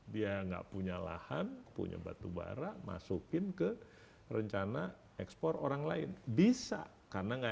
dia enggak punya lahan punya batubara masukin ke rencana ekspor orang lain bisa karena enggak